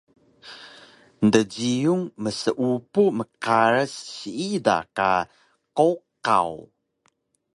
Djiyun mseupu mqaras siida ka qowqaw